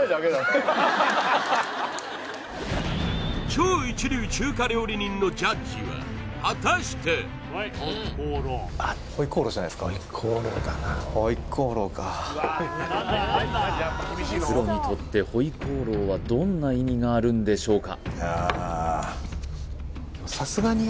超一流中華料理人のジャッジは果たしてあっプロにとって回鍋肉はどんな意味があるんでしょうか？